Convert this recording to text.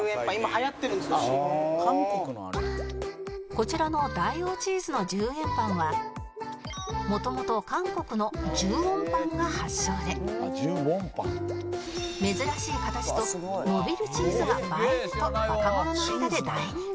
こちらの大王チーズの１０円パンはもともと韓国の１０ウォンパンが発祥で珍しい形と伸びるチーズが映えると若者の間で大人気